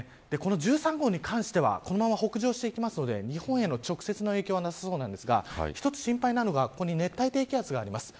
この１３号に関してはこのまま北上していくので日本への直接の影響はなさそうなんですが一つ心配なのが、ここに熱帯低気圧があります。